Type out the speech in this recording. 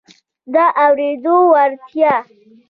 د اورېدو وړتیا